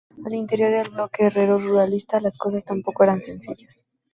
Al interior del bloque herrero-ruralista las cosas tampoco eran sencillas.